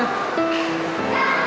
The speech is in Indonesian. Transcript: gue gak kenal